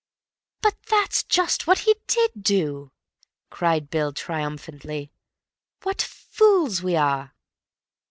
"But that's just what he did do," cried Bill triumphantly. "What fools we are!"